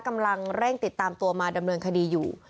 กำลังเร่งติดตามตัวมาดำเนินคดีอยู่